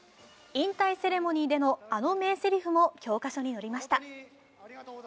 引退セレモニーでのあの名ぜりふも教科書に載りました。